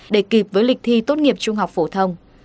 để kịp với lịch thi tốt nghiệp trung học phổ thông